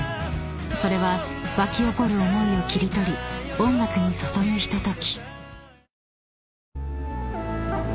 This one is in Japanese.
それは湧き起こる思いを切り取り音楽に注ぐひととき］